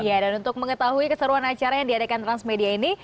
ya dan untuk mengetahui keseruan acara yang diadakan transmedia ini